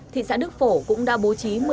thị xã đức phổ cũng đã bố trí